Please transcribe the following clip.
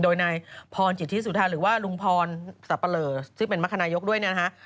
โดยนายพรจิตที่สุธาหรือว่าลุงพรสัปปะเหลอซึ่งเป็นมัธยนต์มัธยกด้วยนะฮะ